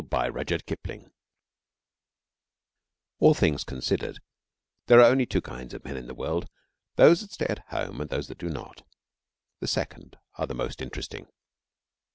OUR OVERSEAS MEN All things considered, there are only two kinds of men in the world those that stay at home and those that do not. The second are the most interesting.